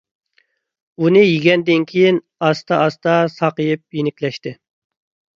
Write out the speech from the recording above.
ئۇنى يېگەندىن كېيىن ئاستا - ئاستا ساقىيىپ يېنىكلەشتى.